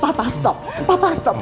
bapak berhenti bapak berhenti